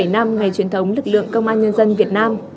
bảy mươi bảy năm ngày truyền thống lực lượng công an nhân dân việt nam